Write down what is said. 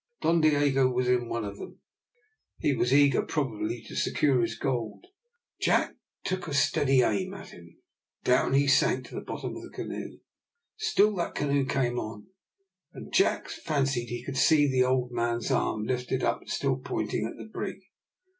Don Diogo was in one of them. He was eager probably to secure his gold. Jack took a steady aim at him, down he sank to the bottom of the canoe. Still that same canoe came on, and Jack fancied that he could see the old man's arm lifted up and still pointing at the brig.